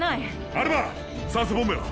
アルバ酸素ボンベは？